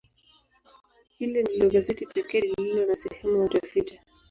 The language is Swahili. Hili ndilo gazeti pekee lililo na sehemu ya utafiti.